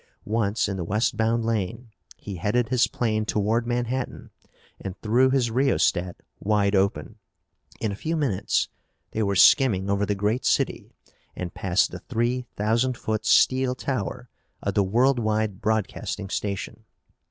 Once in the westbound lane, he headed his plane toward Manhattan and threw his rheostat wide open. In a few minutes they were skimming over the great city and past the three thousand foot steel tower of the Worldwide Broadcasting Station.